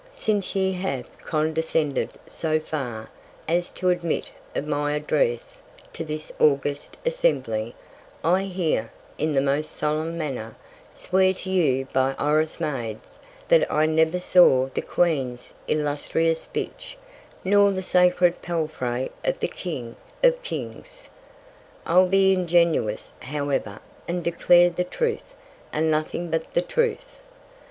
Since ye have condescended so far, as to admit of my Address to this August Assembly, I here, in the most solemn Manner, swear to you by Orosmades, that I never saw the Queen's illustrious Bitch, nor the sacred Palfrey of the King of Kings. I'll be ingenuous, however, and declare the Truth, and nothing but the Truth.